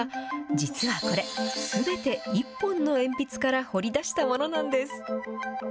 実はこれすべて１本の鉛筆から彫りだしたものなんです。